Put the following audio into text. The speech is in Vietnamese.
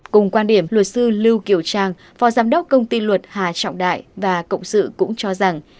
cùng quan điểm luật sư lưu kiều trang phó giám đốc công ty luật hà trọng đại và cộng sự cũng cho rằng